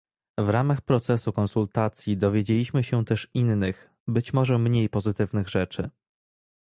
W ramach procesu konsultacji dowiedzieliśmy się też innych, być może mniej pozytywnych rzeczy